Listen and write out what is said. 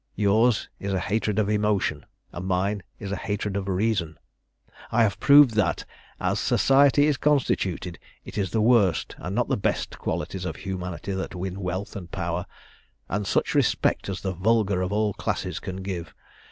Yours is a hatred of emotion, and mine is a hatred of reason. I have proved that, as Society is constituted, it is the worst and not the best qualities of humanity that win wealth and power, and such respect as the vulgar of all classes can give.